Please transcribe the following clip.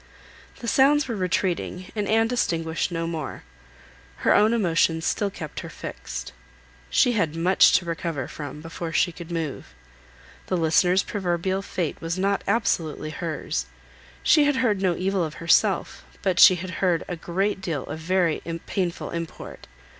The sounds were retreating, and Anne distinguished no more. Her own emotions still kept her fixed. She had much to recover from, before she could move. The listener's proverbial fate was not absolutely hers; she had heard no evil of herself, but she had heard a great deal of very painful import.